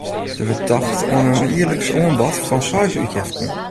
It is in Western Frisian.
Der wurdt tocht oan in jierliks oanbod fan seis útjeften.